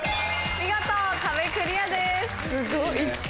見事壁クリアです。